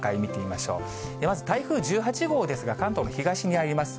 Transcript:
まず台風１８号ですが、関東の東にあります。